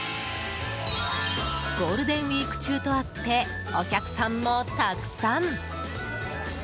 ゴールデンウィーク中とあってお客さんもたくさん。